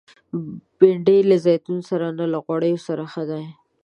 بېنډۍ له زیتونو سره نه، له غوړیو سره ښه ده